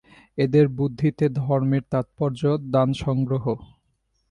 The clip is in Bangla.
এদের বুদ্ধিতে ধর্মের তাৎপর্য দানসংগ্রহ।